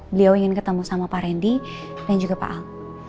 beliau ingin ketemu sama pak randy dan juga pak al